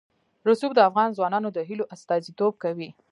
رسوب د افغان ځوانانو د هیلو استازیتوب کوي.